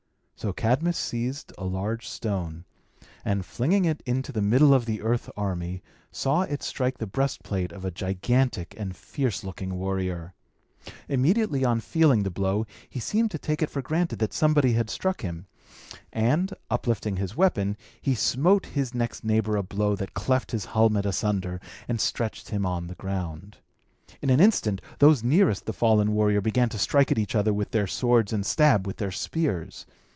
So Cadmus seized a large stone, and, flinging it into the middle of the earth army, saw it strike the breast plate of a gigantic and fierce looking warrior. Immediately on feeling the blow, he seemed to take it for granted that somebody had struck him; and, uplifting his weapon, he smote his next neighbour a blow that cleft his helmet asunder, and stretched him on the ground. In an instant, those nearest the fallen warrior began to strike at one another with their swords and stab with their spears.